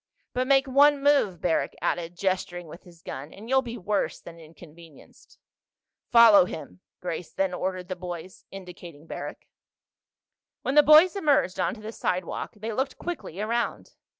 "But make one move," Barrack added, gesturing with his gun, "and you'll be worse than inconvenienced." "Follow him," Grace then ordered the boys, indicating Barrack. When the boys emerged onto the sidewalk they looked quickly around.